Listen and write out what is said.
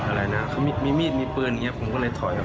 อะไรนะมีมีดมีปืนผมก็เลยถอย